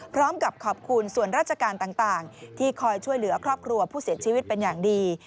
พร้อมกับขอบคุณส่วนราชการต่างที่คอยช่วยเหลือครอบครัวผู้เสียชีวิตเป็นอย่างดี